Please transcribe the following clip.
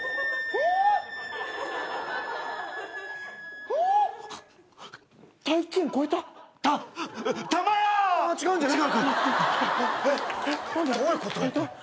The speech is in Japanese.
えっ？どういうこと？